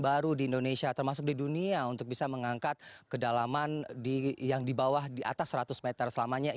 baru di indonesia termasuk di dunia untuk bisa mengangkat kedalaman yang di bawah di atas seratus meter selamanya